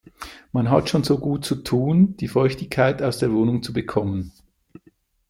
Man hat schon so gut zu tun, die Feuchtigkeit aus der Wohnung zu bekommen.